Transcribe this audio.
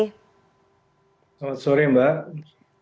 selamat sore mbak